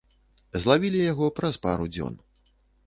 Злавілі яго праз пару дзён.